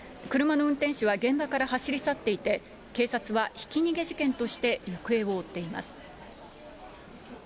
車の運転手は現場から走り去っていて、警察はひき逃げ事件として行方を追っています。